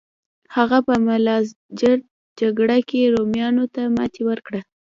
هغه په ملازجرد جګړه کې رومیانو ته ماتې ورکړه.